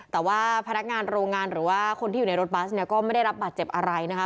แต่ว่าพนักงานโรงงานหรือว่าคนที่อยู่ในรถบัสเนี่ยก็ไม่ได้รับบาดเจ็บอะไรนะคะ